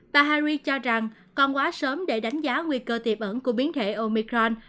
và harris cho rằng còn quá sớm để đánh giá nguy cơ tiệm ẩn của biến thể omicron